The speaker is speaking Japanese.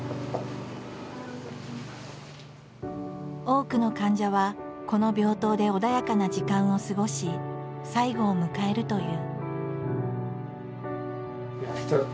多くの患者はこの病棟で穏やかな時間を過ごし最期を迎えるという。